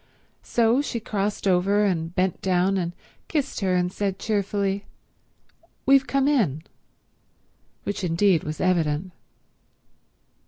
So she crossed over and bent down and kissed her and said cheerfully, "We've come in—" which indeed was evident.